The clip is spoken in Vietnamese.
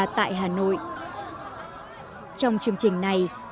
trong chương trình này hàng nghìn người yêu chạy với tôi